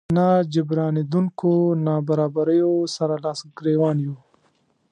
ناجبرانېدونکو نابرابريو سره لاس ګریوان يو.